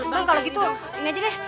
bang kalau gitu ini aja deh